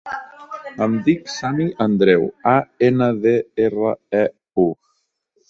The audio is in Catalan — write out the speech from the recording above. Em dic Sami Andreu: a, ena, de, erra, e, u.